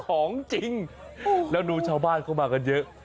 ของจริงแล้วดูชาวบ้านเข้ามากันเยอะ